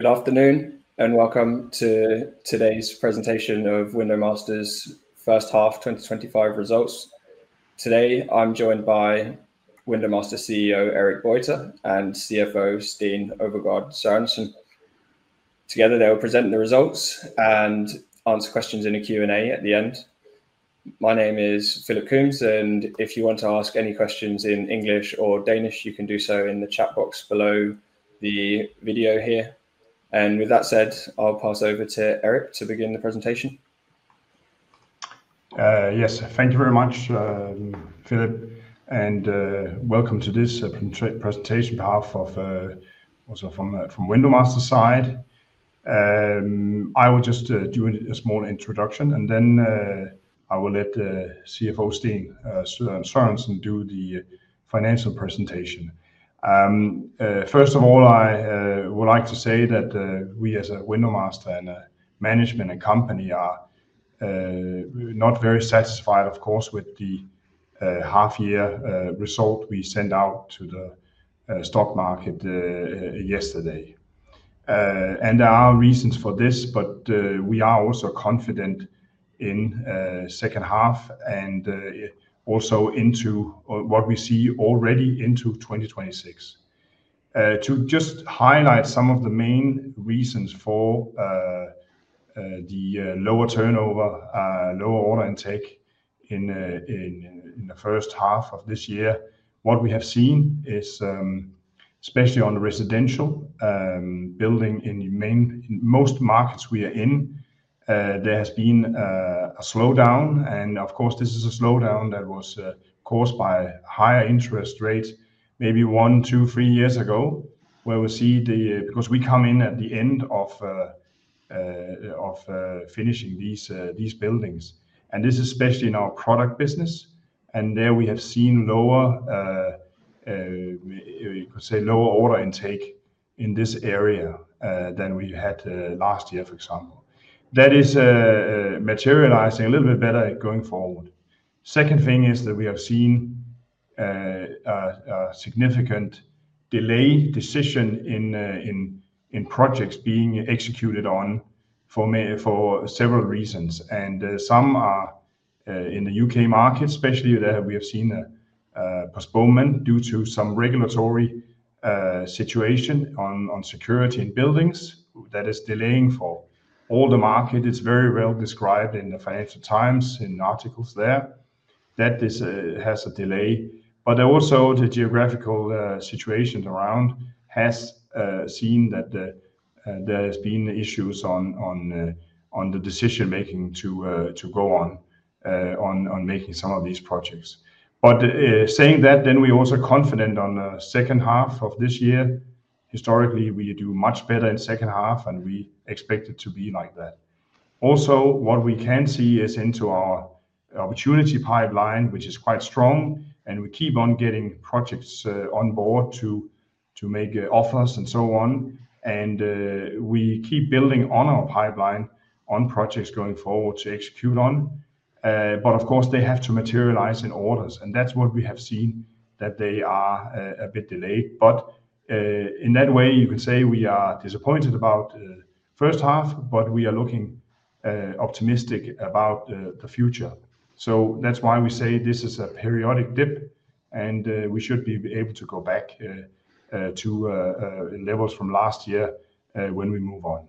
Good afternoon, welcome to today's presentation of WindowMaster's first half 2025 results. Today, I'm joined by WindowMaster CEO Erik Boyter and CFO Steen Overgaard Sørensen. Together, they'll present the results and answer questions in a Q&A at the end. My name is Philip Coombes, if you want to ask any questions in English or Danish, you can do so in the chat box below the video here. With that said, I'll pass over to Erik to begin the presentation. Yes. Thank you very much, Philip, welcome to this presentation behalf also from WindowMaster's side. I will just do a small introduction, then I will let CFO Steen Sørensen do the financial presentation. First of all, I would like to say that we, as WindowMaster and a management and company, are not very satisfied, of course, with the half-year result we sent out to the stock market yesterday. There are reasons for this, but we are also confident in second half and also into what we see already into 2026. To just highlight some of the main reasons for the lower turnover, lower order intake in the first half of this year, what we have seen is, especially on residential building in most markets we are in, there has been a slowdown and of course, this is a slowdown that was caused by higher interest rates maybe one, two, three years ago, where we see. Because we come in at the end of finishing these buildings, this is especially in our product business, there we have seen, you could say, lower order intake in this area than we had last year, for example. That is materializing a little bit better going forward. Second thing is that we have seen a significant delay decision in projects being executed on for several reasons. Some are in the U.K. market especially, we have seen a postponement due to some regulatory situation on security in buildings that is delaying for all the market. It's very well described in the Financial Times in articles there that this has a delay. Also the geographical situation around has seen that there has been issues on the decision-making to go on making some of these projects. Saying that, we're also confident on the second half of this year. Historically, we do much better in second half, and we expect it to be like that. Also, what we can see is into our opportunity pipeline, which is quite strong, and we keep on getting projects on board to make offers and so on. We keep building on our pipeline on projects going forward to execute on. Of course, they have to materialize in orders, that's what we have seen, that they are a bit delayed. In that way, you can say we are disappointed about first half, we are looking optimistic about the future. That's why we say this is a periodic dip, we should be able to go back to levels from last year when we move on.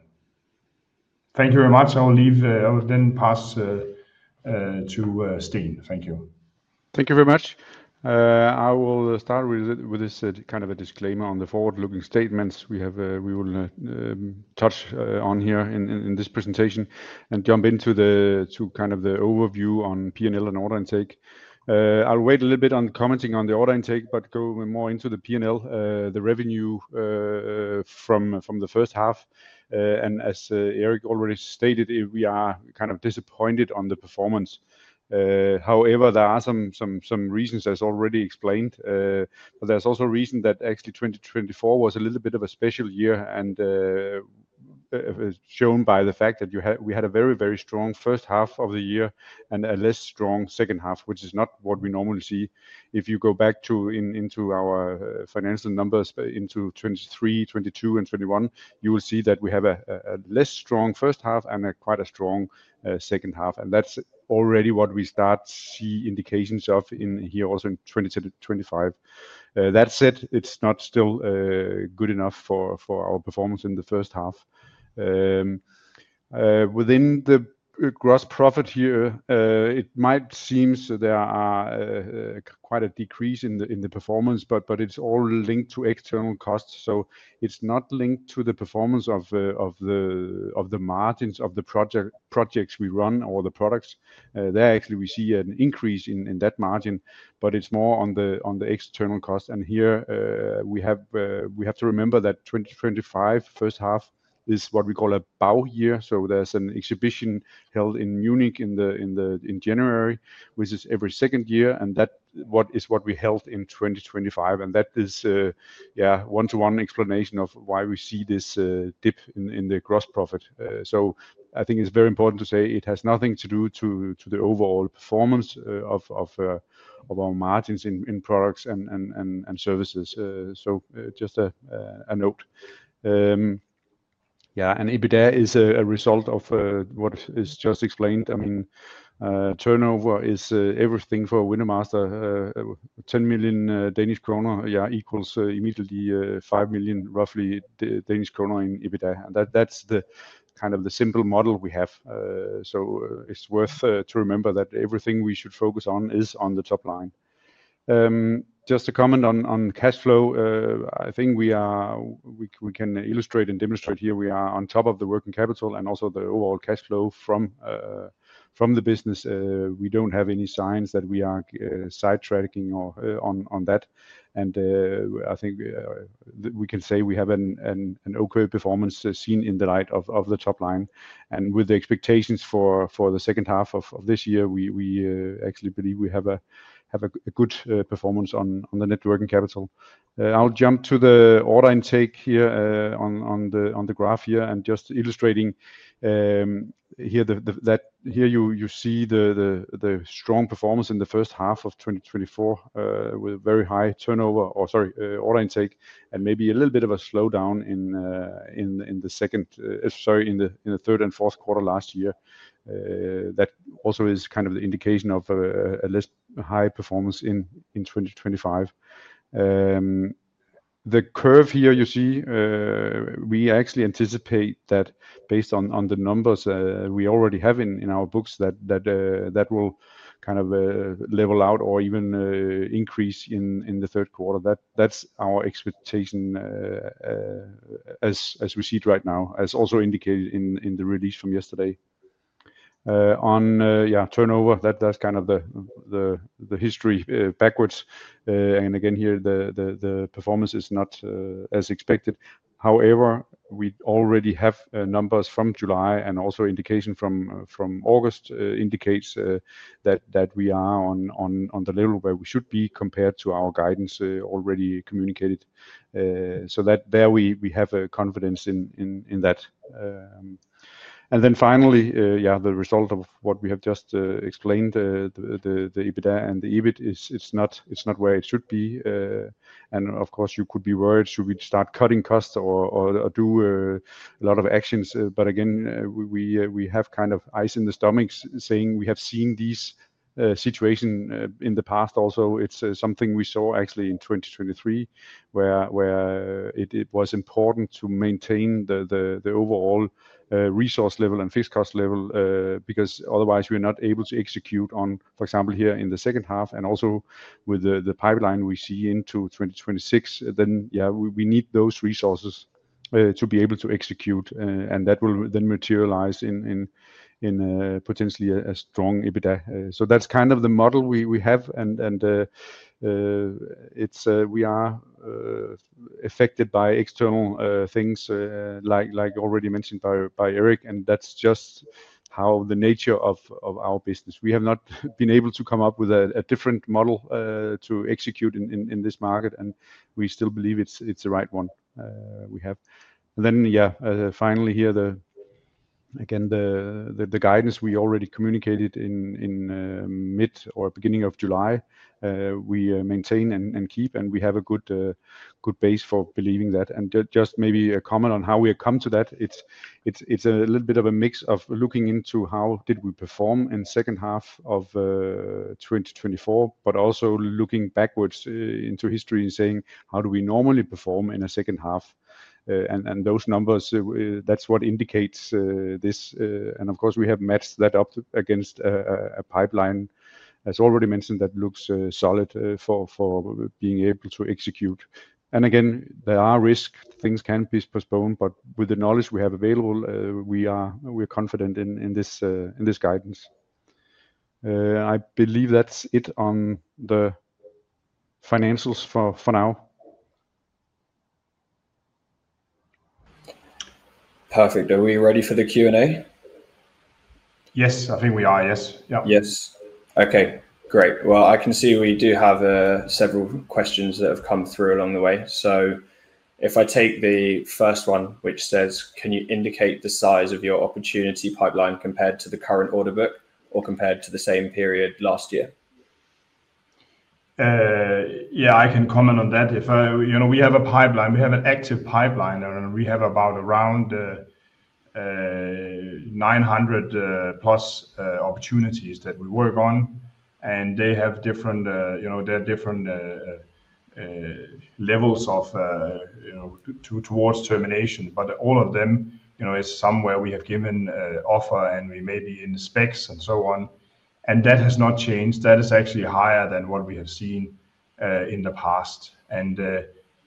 Thank you very much. I will then pass to Steen. Thank you. Thank you very much. I will start with this disclaimer on the forward-looking statements we will touch on here in this presentation and jump into the overview on P&L and order intake. I'll wait a little bit on commenting on the order intake, but go more into the P&L, the revenue from the first half. As Erik already stated, we are kind of disappointed on the performance. However, there are some reasons, as already explained, but there's also a reason that actually 2024 was a little bit of a special year and shown by the fact that we had a very strong first half of the year and a less strong second half, which is not what we normally see. If you go back into our financial numbers into 2023, 2022, and 2021, you will see that we have a less strong first half and quite a strong second half. That's already what we start see indications of in here also in 2025. That said, it's not still good enough for our performance in the first half. Within the gross profit here, it might seem there are quite a decrease in the performance, but it's all linked to external costs. It's not linked to the performance of the margins of the projects we run or the products. There, actually, we see an increase in that margin, but it's more on the external cost. Here, we have to remember that 2025 first half is what we call a BAU year. There's an exhibition held in Munich in January, which is every second year, that is what we held in 2025. That is a one-to-one explanation of why we see this dip in the gross profit. I think it's very important to say it has nothing to do to the overall performance of our margins in products and services. Just a note. EBITDA is a result of what is just explained. Turnover is everything for WindowMaster. 10 million Danish kroner equals immediately 5 million, roughly, in EBITDA. That's the simple model we have. It's worth to remember that everything we should focus on is on the top line. Just to comment on cash flow, I think we can illustrate and demonstrate here we are on top of the working capital and also the overall cash flow from the business. We don't have any signs that we are sidetracking on that. I think we can say we have an okay performance seen in the light of the top line. With the expectations for the second half of this year, we actually believe we have a good performance on the net working capital. I'll jump to the order intake here on the graph here, just illustrating here you see the strong performance in the first half of 2024, with very high turnover, or sorry, order intake, maybe a little bit of a slowdown in the third and fourth quarter last year. That also is the indication of a less high performance in 2025. The curve here you see, we actually anticipate that based on the numbers we already have in our books, that will level out or even increase in the third quarter. That's our expectation as we see it right now, as also indicated in the release from yesterday. On turnover, that's the history backwards. Again, here the performance is not as expected. However, we already have numbers from July and also indication from August indicates that we are on the level where we should be compared to our guidance already communicated. There we have a confidence in that. Finally, the result of what we have just explained, the EBITDA and the EBIT, it's not where it should be. Of course, you could be worried should we start cutting costs or do a lot of actions. Again, we have gut feeling saying we have seen this situation in the past also. It's something we saw actually in 2023, where it was important to maintain the overall resource level and fixed cost level, because otherwise we're not able to execute on, for example, here in the second half, and also with the pipeline we see into 2026, then we need those resources to be able to execute, and that will then materialize in potentially a strong EBITDA. That's the model we have, we are affected by external things, like already mentioned by Erik, that's just how the nature of our business. We have not been able to come up with a different model to execute in this market, and we still believe it's the right one we have. Finally here, again, the guidance we already communicated in mid or beginning of July, we maintain and keep, we have a good base for believing that. Just maybe a comment on how we have come to that. It's a little bit of a mix of looking into how did we perform in second half of 2024, but also looking backwards into history and saying, how do we normally perform in a second half? Those numbers, that's what indicates this. Of course, we have matched that up against a pipeline, as already mentioned, that looks solid for being able to execute. Again, there are risks. Things can be postponed. With the knowledge we have available, we're confident in this guidance. I believe that's it on the financials for now. Perfect. Are we ready for the Q&A? Yes, I think we are, yes. Yes. Okay, great. Well, I can see we do have several questions that have come through along the way. If I take the first one, which says, can you indicate the size of your opportunity pipeline compared to the current order book or compared to the same period last year? Yeah, I can comment on that. We have a pipeline, we have an active pipeline, and we have about around 900 plus opportunities that we work on, and they have different levels towards termination. All of them is somewhere we have given offer and we may be in the specs and so on, and that has not changed. That is actually higher than what we have seen in the past.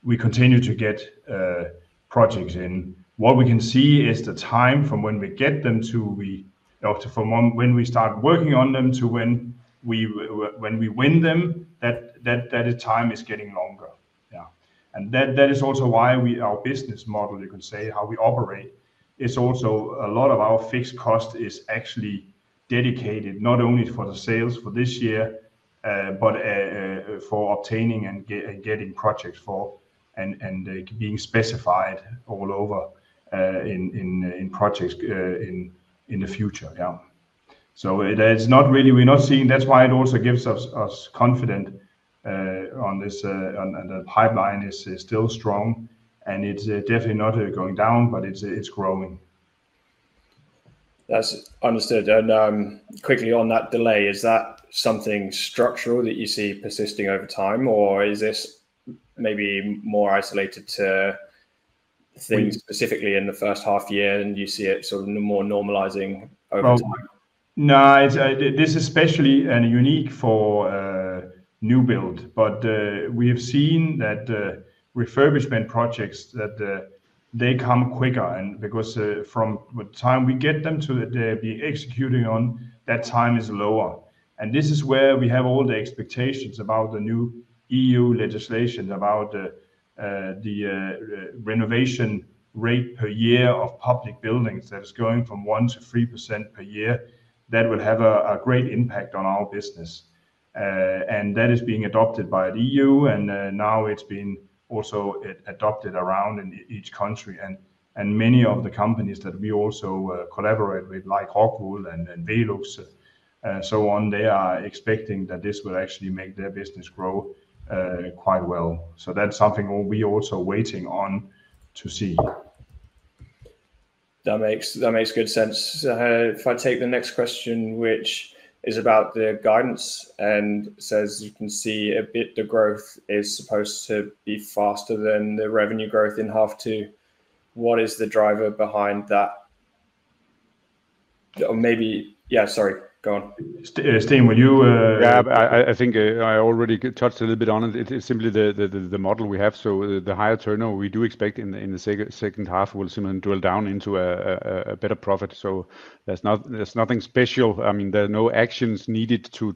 We continue to get projects in. What we can see is the time from when we get them to when we start working on them to when we win them, that time is getting longer. Yeah. That is also why our business model, you can say, how we operate, a lot of our fixed cost is actually dedicated not only for the sales for this year, but for obtaining and getting projects for and being specified all over in projects in the future. We're not seeing, that is why it also gives us confidence on this, and the pipeline is still strong, and it's definitely not going down, but it's growing. That's understood. Quickly on that delay, is that something structural that you see persisting over time, or is this maybe more isolated to things specifically in the first half year, and you see it more normalizing over time? This is specially and unique for new build, but we have seen that refurbishment projects, that they come quicker and because from the time we get them to the day we execute on, that time is lower. This is where we have all the expectations about the new EU legislation, about the renovation rate per year of public buildings. That is going from 1% to 3% per year. That will have a great impact on our business. That is being adopted by the EU, and now it's been also adopted around in each country, and many of the companies that we also collaborate with, like Rockwool and VELUX, and so on, they are expecting that this will actually make their business grow quite well. That's something we're also waiting on to see. That makes good sense. If I take the next question, which is about the guidance, and says you can see a bit the growth is supposed to be faster than the revenue growth in half two. What is the driver behind that? Yeah, sorry. Go on. Steen, would you- Yeah, I think I already touched a little bit on it. It's simply the model we have. The higher turnover we do expect in the second half will simply drill down into a better profit. There's nothing special. There are no actions needed to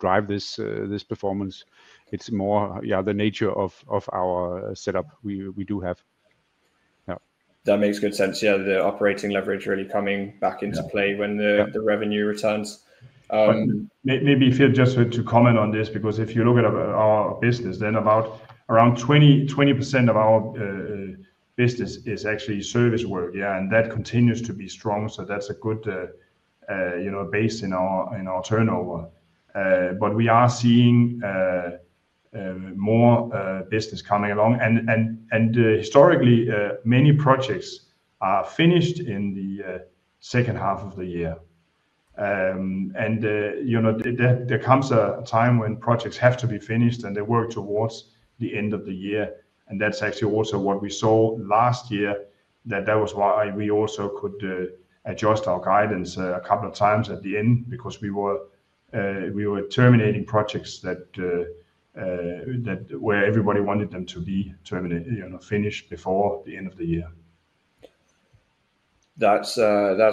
drive this performance. It's more the nature of our setup we do have. Yeah. That makes good sense. Yeah, the operating leverage really coming back into play when the revenue returns. Maybe, Philip, just to comment on this, because if you look at our business, then about around 20% of our business is actually service work. Yeah. That continues to be strong, so that's a good base in our turnover. We are seeing more business coming along, and historically, many projects are finished in the second half of the year. There comes a time when projects have to be finished, and they work towards the end of the year. That's actually also what we saw last year, that that was why we also could adjust our guidance a couple of times at the end because we were terminating projects where everybody wanted them to be finished before the end of the year. That's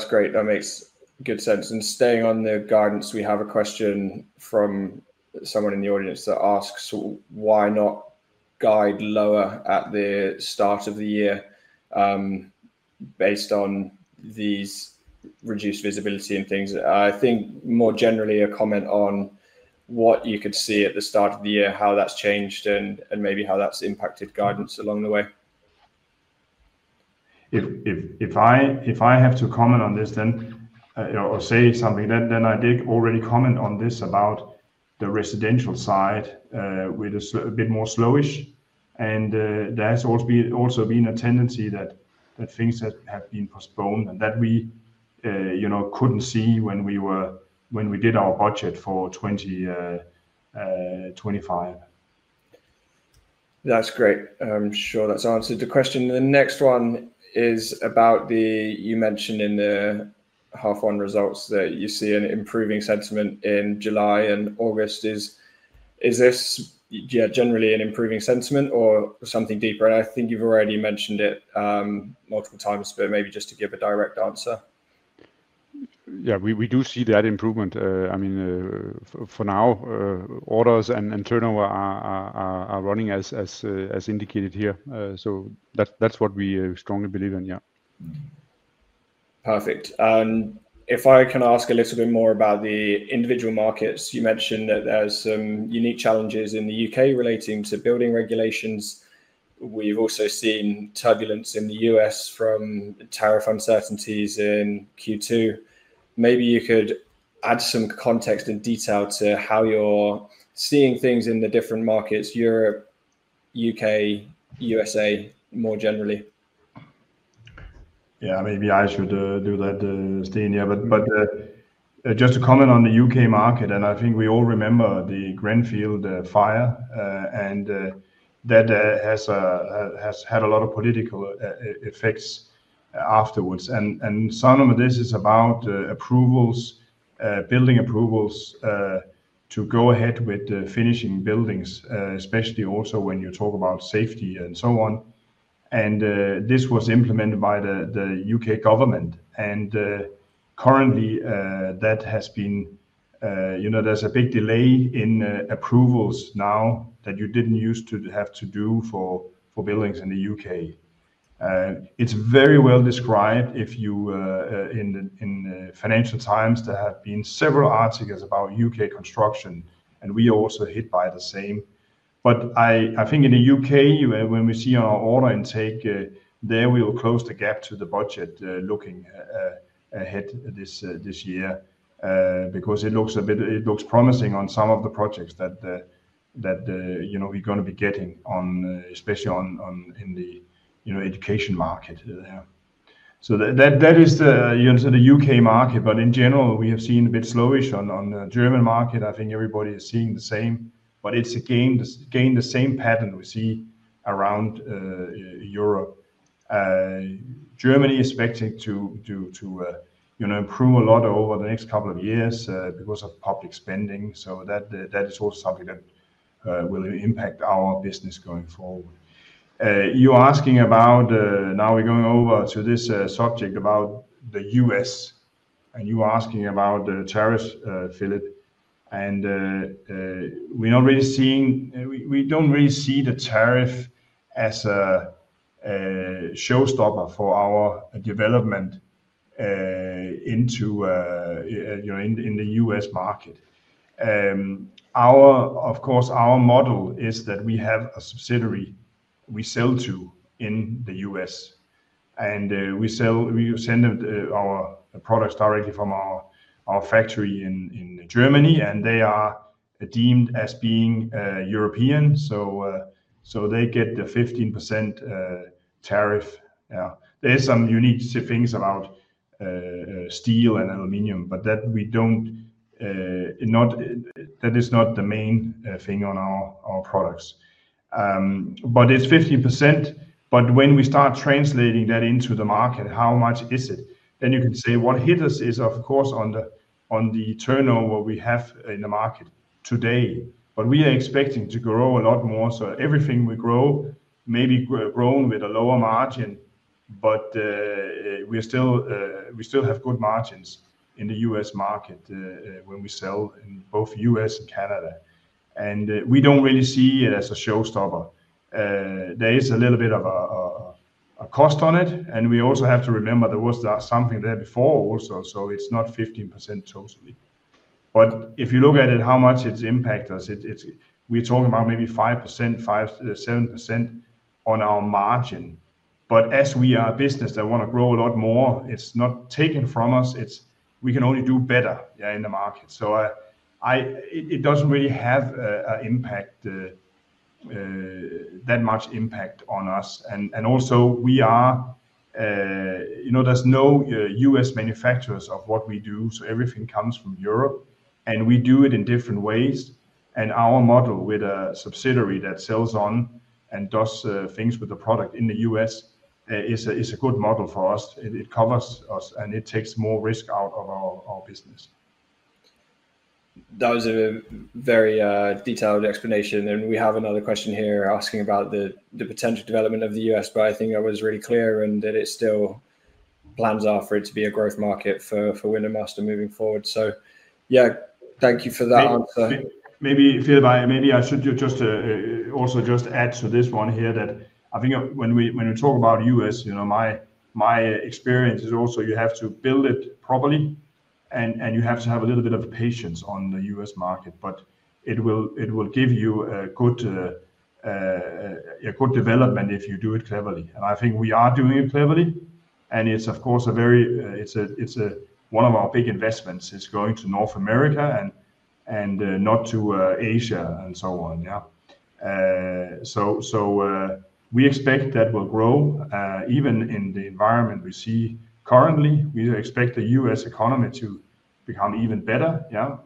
great. That makes good sense. Staying on the guidance, we have a question from someone in the audience that asks, "Why not guide lower at the start of the year based on these reduced visibility and things?" I think more generally a comment on what you could see at the start of the year, how that's changed, and maybe how that's impacted guidance along the way. If I have to comment on this then, or say something, then I did already comment on this, about the residential side with a bit more slowish, and there has also been a tendency that things have been postponed and that we couldn't see when we did our budget for 2025. That's great. I'm sure that's answered the question. The next one is about the, you mentioned in the half one results that you see an improving sentiment in July and August. Is this generally an improving sentiment or something deeper? I think you've already mentioned it multiple times, but maybe just to give a direct answer. Yeah, we do see that improvement. For now, orders and turnover are running as indicated here. That's what we strongly believe in, yeah. Perfect. If I can ask a little bit more about the individual markets. You mentioned that there's some unique challenges in the U.K. relating to building regulations. We've also seen turbulence in the U.S. from tariff uncertainties in Q2. Maybe you could add some context and detail to how you're seeing things in the different markets, Europe, U.K., U.S.A. more generally. Yeah, maybe I should do that, Steen. Just to comment on the U.K. market, I think we all remember the Grenfell fire, that has had a lot of political effects afterwards. Some of this is about approvals, building approvals, to go ahead with finishing buildings, especially also when you talk about safety and so on. This was implemented by the U.K. government, currently, there's a big delay in approvals now that you didn't use to have to do for buildings in the U.K. It's very well described in the Financial Times, there have been several articles about U.K. construction, we are also hit by the same. I think in the U.K., when we see on our order intake there, we will close the gap to the budget looking ahead this year, because it looks promising on some of the projects that we're going to be getting, especially in the education market. That is the U.K. market. In general, we have seen a bit slowish on the German market. I think everybody is seeing the same, it's again the same pattern we see around Europe. Germany expecting to improve a lot over the next couple of years because of public spending. That is also something that will impact our business going forward. We're going over to this subject about the U.S., you are asking about the tariffs, Philip, we don't really see the tariff as a showstopper for our development in the U.S. market. Of course, our model is that we have a subsidiary we sell to in the U.S., we send them our products directly from our factory in Germany, they are deemed as being European, they get the 15% tariff. There is some unique things about steel and aluminum, that is not the main thing on our products. It's 15%, when we start translating that into the market, how much is it? You can say what hit us is, of course, on the turnover we have in the market today, we are expecting to grow a lot more. Everything we grow may be grown with a lower margin, we still have good margins in the U.S. market when we sell in both U.S. and Canada. We don't really see it as a showstopper. There is a little bit of a cost on it. We also have to remember there was something there before also, so it's not 15% totally. If you look at it, how much it's impact us, we're talking about maybe 5%, 5%-7% on our margin. As we are a business that want to grow a lot more, it's not taken from us. We can only do better in the market. It doesn't really have that much impact on us. Also, there's no U.S. manufacturers of what we do, so everything comes from Europe, and we do it in different ways. Our model with a subsidiary that sells on and does things with the product in the U.S. is a good model for us. It covers us, and it takes more risk out of our business. That was a very detailed explanation. We have another question here asking about the potential development of the U.S., but I think that was really clear and that it's still plans are for it to be a growth market for WindowMaster moving forward. Yeah, thank you for that answer. Maybe, Philip, I should also just add to this one here that I think when we talk about U.S., my experience is also you have to build it properly, and you have to have a little bit of patience on the U.S. market. It will give you a good development if you do it cleverly, and I think we are doing it cleverly, and it's, of course, one of our big investments is going to North America and not to Asia and so on. Yeah. We expect that will grow, even in the environment we see currently. We expect the U.S. economy to become even better, yeah,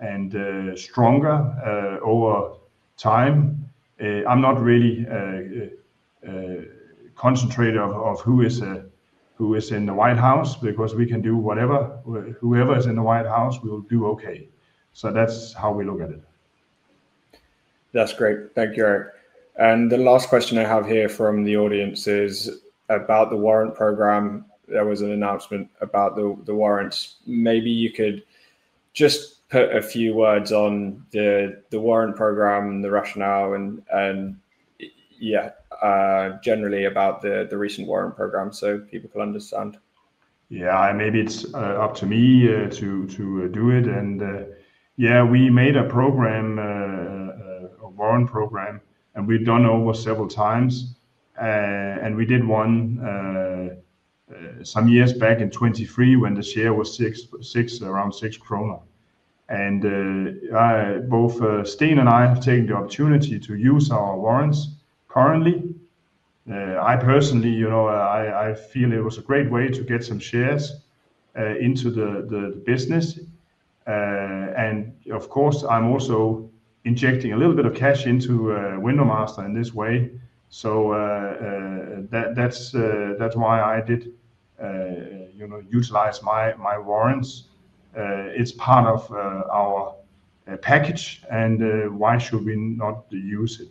and stronger over time. I'm not really concentrated of who is in the White House, because we can do whatever. Whoever is in the White House, we will do okay. That's how we look at it. That's great. Thank you, Erik. The last question I have here from the audience is about the warrant program. There was an announcement about the warrants. Maybe you could just put a few words on the warrant program, the rationale, and yeah, generally about the recent warrant program so people can understand. Yeah. Maybe it's up to me to do it. We made a program, a warrant program, and we've done over several times. We did one some years back in 2023 when the share was around 6 kroner. Both Steen and I have taken the opportunity to use our warrants currently. I personally feel it was a great way to get some shares into the business. Of course, I'm also injecting a little bit of cash into WindowMaster in this way, so that's why I did utilize my warrants. It's part of our package, and why should we not use it?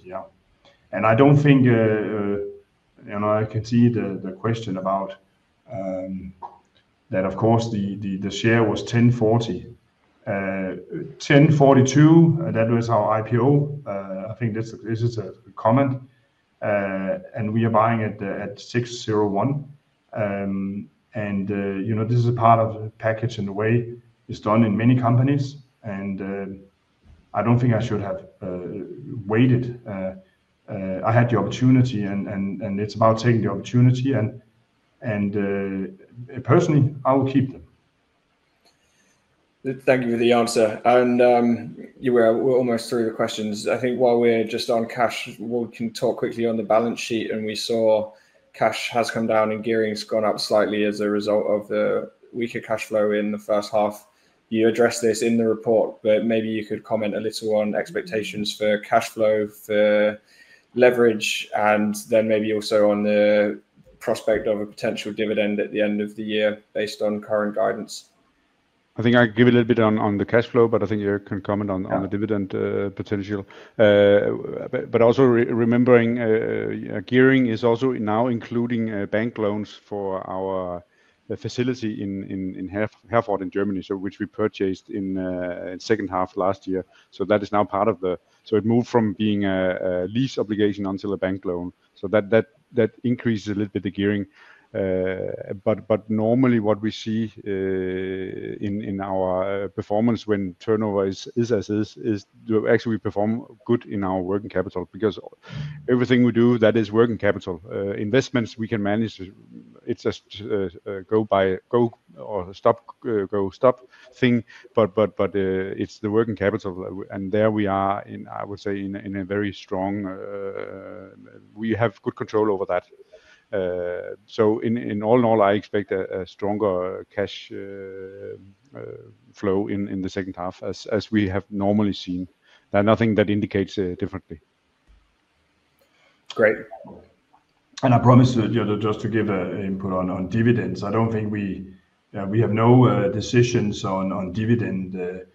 I can see the question about that, of course, the share was 10.40. 10.42, that was our IPO. I think this is a comment. We are buying it at 6.01. This is a part of the package in the way it's done in many companies, and I don't think I should have waited. I had the opportunity, and it's about taking the opportunity, and personally, I will keep them. Thank you for the answer. We're almost through the questions. I think while we're just on cash, we can talk quickly on the balance sheet, and we saw cash has come down and gearing's gone up slightly as a result of the weaker cash flow in the first half. You addressed this in the report, but maybe you could comment a little on expectations for cash flow, for leverage, and then maybe also on the prospect of a potential dividend at the end of the year based on current guidance. I think I can give a little bit on the cash flow, but I think Erik can comment on. Yeah the dividend potential. Also remembering gearing is also now including bank loans for our facility in Herford, in Germany. Which we purchased in second half last year, so it moved from being a lease obligation until a bank loan. That increases a little bit the gearing. Normally what we see in our performance when turnover is as is actually we perform good in our working capital because everything we do, that is working capital. Investments we can manage. It's a go stop thing, but it's the working capital. There we are in, I would say. We have good control over that. All in all, I expect a stronger cash flow in the second half as we have normally seen. Nothing that indicates differently. Great. I promise just to give an input on dividends. We have no decisions on dividend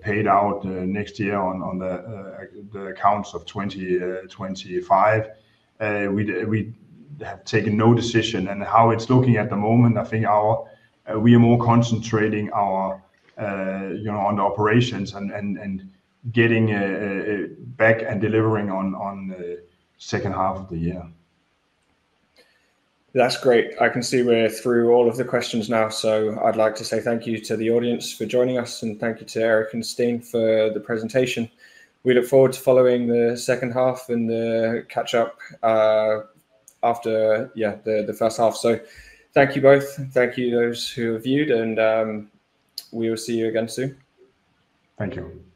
paid out next year on the accounts of 2025. We have taken no decision, how it's looking at the moment, I think we are more concentrating on the operations and getting back and delivering on the second half of the year. That's great. I can see we're through all of the questions now, I'd like to say thank you to the audience for joining us, thank you to Erik and Steen for the presentation. We look forward to following the second half and the catch-up after, yeah, the first half. Thank you both. Thank you those who have viewed, and we will see you again soon. Thank you.